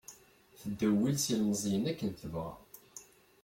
Teddewwil s ilemẓiyen akken tebɣa.